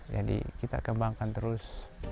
jadi kita kembangkan terus